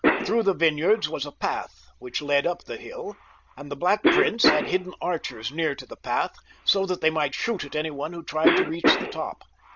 Through the vineyards was a path which led up the hill, and the Black Prince had hidden archers near to the path, so that they might shoot at any one who tried to reach the top.